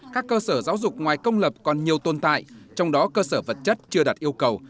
các cơ sở giáo dục ngoài công lập còn nhiều tồn tại trong đó cơ sở vật chất chưa đặt yêu cầu